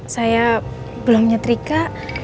saya belum nyetrika